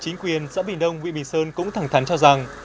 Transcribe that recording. chính quyền xã bình đông huyện bình sơn cũng thẳng thắn cho rằng